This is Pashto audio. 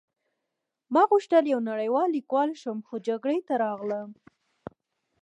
ما غوښتل یو نړۍوال لیکوال شم خو جګړې ته راغلم